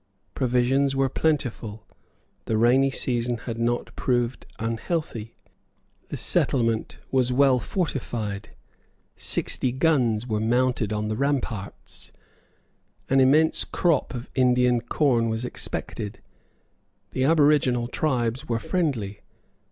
Provisions were plentiful. The rainy season had not proved unhealthy. The settlement was well fortified. Sixty guns were mounted on the ramparts. An immense crop of Indian corn was expected. The aboriginal tribes were friendly.